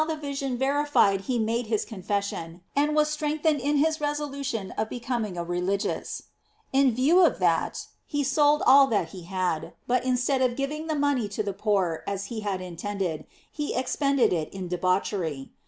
19, p. 18. 690 GLORIES OP MAKY. the vision verified he made his confession, and was strengthened in his resolution of becoming a religious. In view of that, lie sold all that he had, but instead of giving the money to the poor, as he had intended, he expended it in de bauchery.